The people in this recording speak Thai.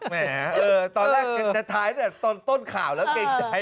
แหมตอนแรกแต่ท้ายต้นข่าวแล้วเกรงใจ